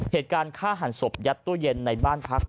เหตุการณ์ฆ่าหันศพยัดตู้เย็นในบ้านพัก